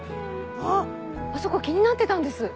あっあそこ気になってたんです。